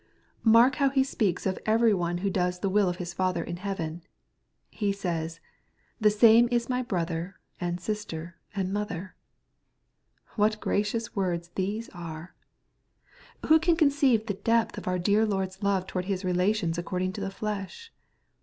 Mark how He speaks of every one who does the will of His Father in heaven. He says, ^^ the same is my brother, and sister, and mother.*' What gracious words these are 1 Who can conceive the depth of our dear Lord's love towards His relations according to the flesh